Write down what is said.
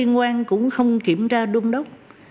liên quan cũng không kiểm tra đôn đốc